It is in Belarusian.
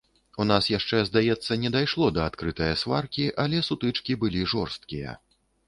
У нас яшчэ, здаецца, не дайшло да адкрытае сваркі, але сутычкі былі жорсткія.